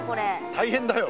大変だよ。